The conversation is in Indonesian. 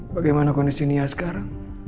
bagaimana kondisi nia sekarang